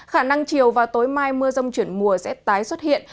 khả năng chiều và tối mai mưa rông chuyển mùa sẽ tái xuất hiện